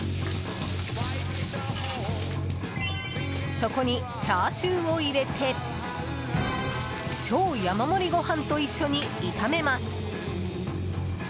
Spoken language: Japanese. そこにチャーシューを入れて超山盛りご飯と一緒に炒めます。